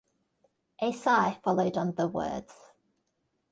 A sigh followed on the words.